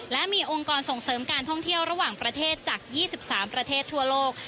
และมีองค์กรส่งเสริมการท่องเที่ยวระหว่างประเทศจาก๒๓ประเทศทั่วโลก